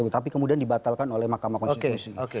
tapi kemudian dibatalkan oleh mahkamah konstitusi